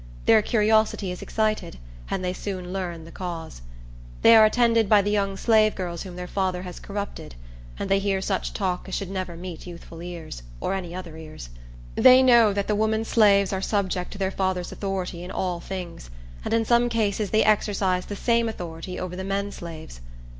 Their curiosity is excited, and they soon learn the cause. They are attended by the young slave girls whom their father has corrupted; and they hear such talk as should never meet youthful ears, or any other ears. They know that the woman slaves are subject to their father's authority in all things; and in some cases they exercise the same authority over the men slaves.